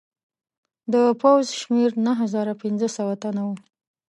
د پوځ شمېر نهه زره پنځه سوه تنه وو.